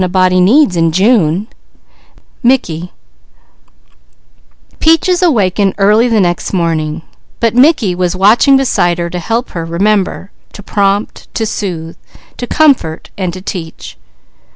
CHAPTER XV A Particular Nix Peaches awakened early the following morning, but Mickey was watching beside her to help her remember, to prompt, to soothe, to comfort and to teach.